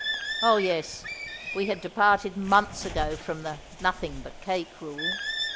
Oh, yes, we had departed months ago from the "nothing but cake" rule.